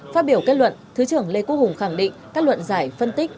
phát biểu kết luận thứ trưởng lê quốc hùng khẳng định các luận giải phân tích